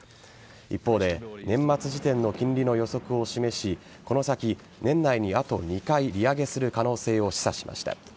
一方で年末時点の金利の予測を示しこの先、年内にあと２回利上げする可能性を示唆しました。